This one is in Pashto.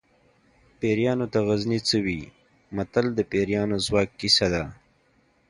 پیریانو ته غزني څه وي متل د پیریانو د ځواک کیسه ده